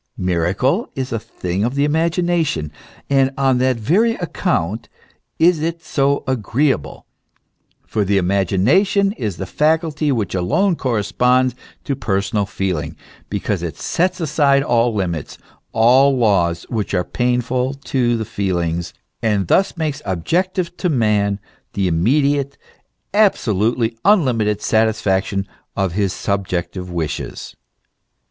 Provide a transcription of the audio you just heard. Miracle is a thing of the imagination ; and on that very account is it so agreeable : for the imagination is the faculty which alone corresponds to personal feeling, because it sets aside all limits, all laws which are painful to the feelings, and thus makes objective to man the immediate, absolutely unlimited satisfaction of his subjective wishes.